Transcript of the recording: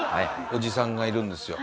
おじさんがいるんですよ。